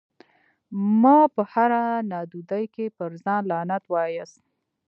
مه په هره نادودي کي پر ځان لعنت واياست